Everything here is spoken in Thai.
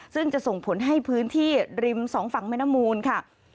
ซึ่งจะส่งผลให้พื้นที่ริมสองฝั่งแม่น้ำมูลค่ะ